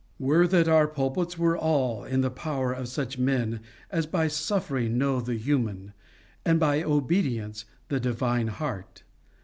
Would that our pulpits were all in the power of such men as by suffering know the human, and by obedience the divine heart!